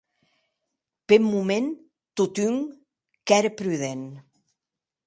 Peth moment, totun, qu’ère prudent.